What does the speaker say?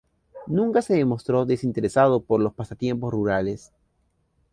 Nunca se mostró desinteresado por los pasatiempos rurales.